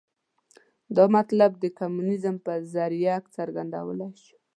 دا مطلب د کمونیزم په ذریعه څرګندولای شو.